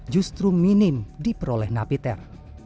justru minim diperoleh napiter